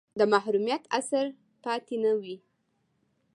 د محرومیت اثر پاتې نه وي.